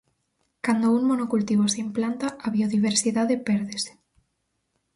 Cando un monocultivo se implanta a biodiversidade pérdese.